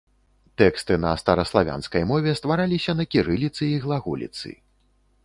Тэксты на стараславянскай мове ствараліся на кірыліцы і глаголіцы.